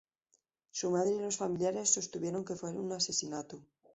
Su madre y los familiares sostuvieron que fue un asesinato.